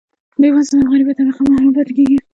بیوزله او غریبه طبقه محروم پاتې کیږي.